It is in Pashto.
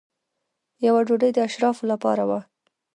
یوه ډوډۍ د اشرافو لپاره وه.